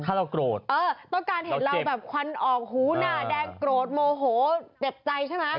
ถ้าเราโกรธเออต้องการเห็นเราแบบควันออกหูหน้าแดงโกรธโมโหเจ็บใจใช่ไหม